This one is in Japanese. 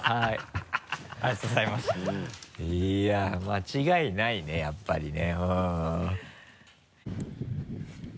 いや間違いないねやっぱりね。